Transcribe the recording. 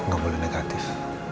gak boleh negatif